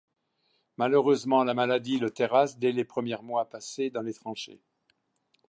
Malheureusement, la maladie le terrasse dès les premiers mois passés dans les tranchées.